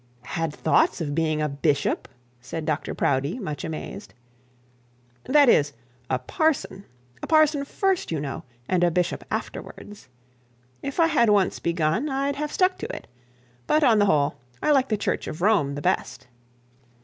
'Had thought of being a bishop?' said Dr Proudie, much amazed. 'That is, a parson a parson first, you know, and a bishop afterwards. If I had once begun, I'd have stuck to it. But, on the whole, I like the Church of Rome the best.'